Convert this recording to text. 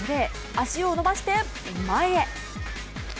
足を伸ばして、前へ。